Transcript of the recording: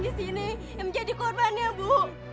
di sini yang menjadi korbannya bu